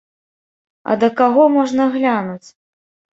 А да каго, можна глянуць?